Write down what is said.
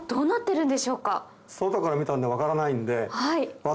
外から見たので分からないんで。